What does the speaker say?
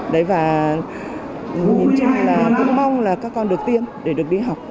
đấy và cũng mong là các con được tiêm để được đi học